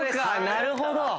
なるほど！